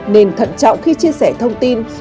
nên thận trọng khi chia sẻ thông tin